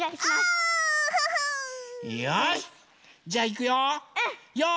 じゃあいくよ！